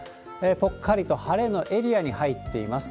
ぽっかりと晴れのエリアに入っています。